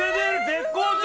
絶好調！